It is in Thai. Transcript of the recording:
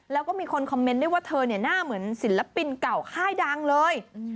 แล้วก็มีคนคอมเมนต์ด้วยว่าเธอเนี่ยหน้าเหมือนศิลปินเก่าค่ายดังเลย